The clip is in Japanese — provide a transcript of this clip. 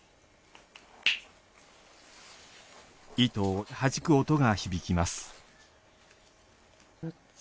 糸をはじく音が響きます。